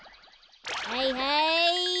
はいはい。